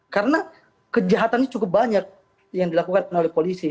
karena kejahatannya cukup banyak yang dilakukan oleh polisi